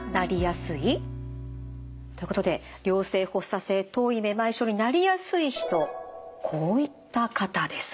ということで良性発作性頭位めまい症になりやすい人こういった方です。